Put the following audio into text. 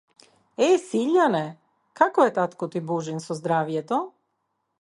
Е, Силјане, како е татко ти Божин со здравјето?